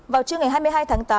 vào trưa ngày hai mươi hai tháng tám